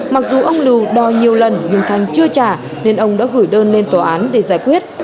mặc dù ông lưu đòi nhiều lần nhưng thanh chưa trả nên ông đã gửi đơn lên tòa án để giải quyết